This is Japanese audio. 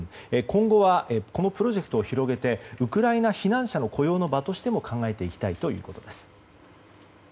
今後はこのプロジェクトを広げてウクライナ避難者の雇用の場としても考えていきたいということです。